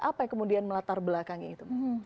apa yang kemudian melatar belakangnya itu